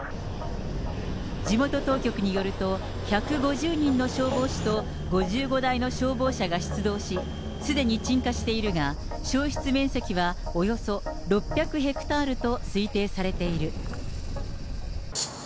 地元当局によると、１５０人の消防士と、５５台の消防車が出動し、すでに鎮火しているが、焼失面積はおよそ６００ヘクタールと推定されている。